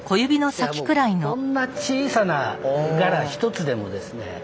もうこんな小さなガラ一つでもですね